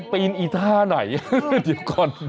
ปีนอีท่าไหนเดี๋ยวก่อน